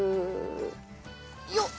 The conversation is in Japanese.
よっ！